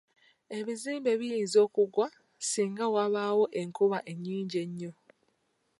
Ebizimbe biyinza okugwa singa wabaawo enkuba ennyingi ennyo.